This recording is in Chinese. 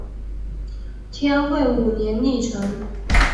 天会五年历成。